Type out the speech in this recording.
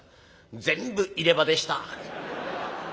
全部入れ歯でした。